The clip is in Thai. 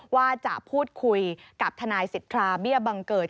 ว่าจะพูดคุยกับทนายสิทธาเบี้ยบังเกิด